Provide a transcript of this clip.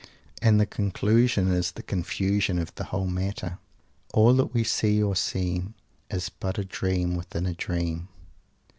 And the conclusion is the confusion of the whole matter: "All that we see or seem Is but a dream within a dream."